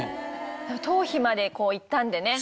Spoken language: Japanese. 頭皮まで行ったんでね。